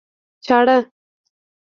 چاړه